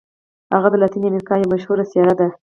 هغه د لاتیني امریکا یوه مشهوره څیره ده.